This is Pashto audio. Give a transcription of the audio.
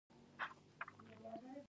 دوی له بزګرانو سره مرسته کوي.